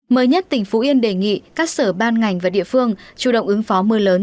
mới nhất tỉnh phú yên đề nghị các sở ban ngành và địa phương chủ động ứng phó mưa lớn